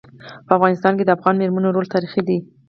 په افغانستان کي د افغان میرمنو رول تاریخي دی.